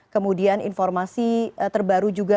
kemudian informasi terbaru juga